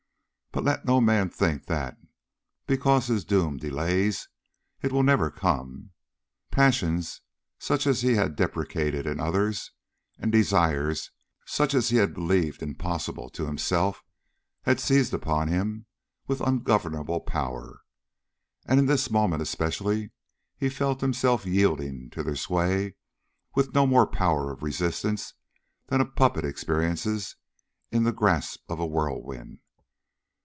But let no man think that, because his doom delays, it will never come. Passions such as he had deprecated in others, and desires such as he had believed impossible to himself, had seized upon him with ungovernable power, and in this moment especially he felt himself yielding to their sway with no more power of resistance than a puppet experiences in the grasp of a whirlwind.